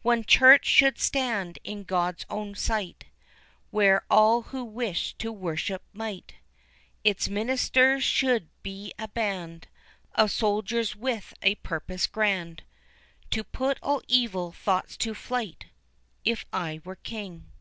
One Church should stand in God's own sight Where all who wished to worship, might, Its ministers should be a band Of soldiers with a purpose grand To put all evil thoughts to flight, If I were King.